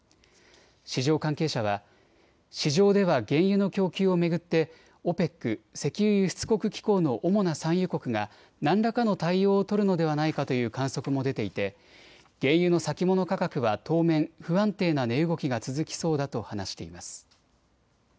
市場関係者は市場では原油の供給を巡ってＯＰＥＣ・石油輸出国機構の主な産油国が何らかの対応を取るのではないかという観測も出ていて、原油の先物価格は当面、不安定な値動きが続きそうだと話しています。